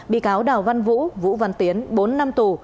bị cáo đào văn vũ vũ văn tiến bốn năm tù